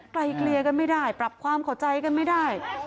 ไกลเกลียกันไม่ได้ปรับความเข้าใจกันไม่ได้